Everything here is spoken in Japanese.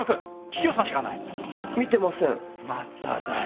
まただよ。